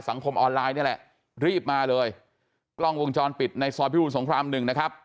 ออนไลน์นี่แหละรีบมาเลยกล้องวงจรปิดในซอยพิบูรสงครามหนึ่งนะครับ